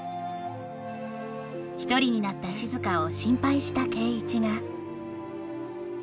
１人になった静を心配した圭一がはい！